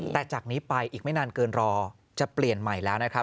แต่จากนี้ไปอีกไม่นานเกินรอจะเปลี่ยนใหม่แล้วนะครับ